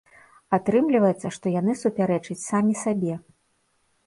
Атрымліваецца, што яны супярэчаць самі сабе.